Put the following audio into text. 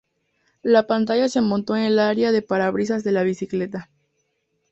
La pantalla se montó en el área del parabrisas de la bicicleta.